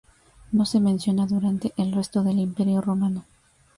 No se menciona durante el resto del Imperio romano.